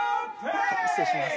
失礼します。